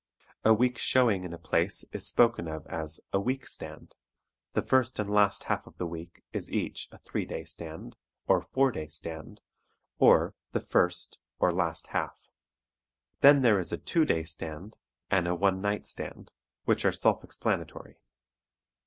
A week's showing in a place is spoken of as a "week stand"; the first and last half of the week is each a "three day stand," or "four day stand," or the "first" or "last half." Then there is a "two day stand" and a "one night stand," which are self explanatory.